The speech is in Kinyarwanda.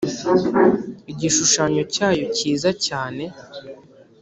igishushanyo cyayo cyiza cyane